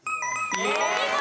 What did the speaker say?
お見事。